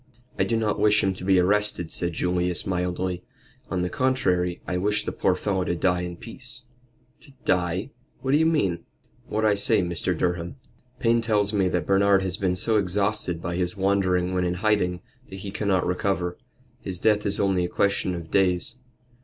"I do not wish him to be arrested," said Julius, mildly. "On the contrary, I wish the poor fellow to die in peace." "To die what do you mean?" "What I say, Mr. Durham. Payne tells me that Bernard has been so exhausted by his wandering when in hiding, that he cannot recover. His death is only a question of days.